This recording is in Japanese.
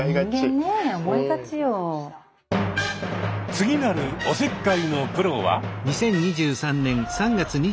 次なるおせっかいのプロは。